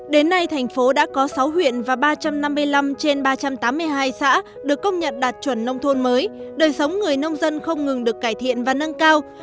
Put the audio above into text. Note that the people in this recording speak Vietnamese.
đến nay thành phố đã có sáu huyện và ba trăm năm mươi năm trên ba trăm tám mươi hai xã được công nhận đạt chuẩn nông thôn mới đời sống người nông dân không ngừng được cải thiện và nâng cao